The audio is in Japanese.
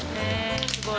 すごい。